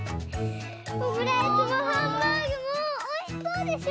オムライスもハンバーグもおいしそうでしょ？